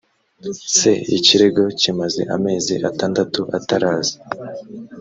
se ikirego kimaze amezi atandatu ataraza